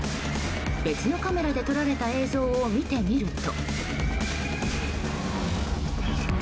別のカメラで撮られた映像を見てみると。